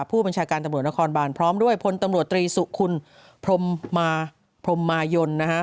ผู้บัญชาการตำรวจนครบานพร้อมด้วยพลตำรวจตรีสุคุณพรมมายน